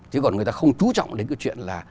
chứ còn người ta không chú trọng đến cái chuyện là